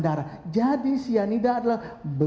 darah jadi cyanida adalah